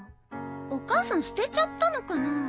お母さん捨てちゃったのかな？